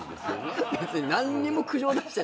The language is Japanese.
別に何にも苦情出してないです。